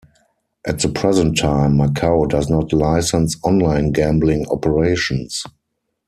At the present time, Macau does not license online gambling operations.